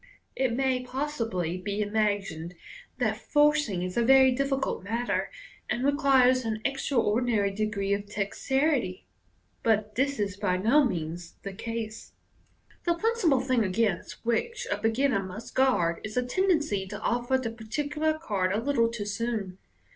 It may possibly be imagined that forcing is a very difficult matter, and requires an extraordinary degree of dexterity ; but this is by no means the case. The principal thing against which a beginner must guard, is a ten dency to offer the particular card a little loo soon.